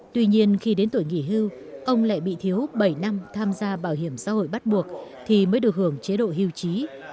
tuy nhiên khi đến tuổi nghỉ hưu ông lại bị thiếu bảy năm tham gia bảo hiểm xã hội bắt buộc thì mới được hưởng chế độ hưu trí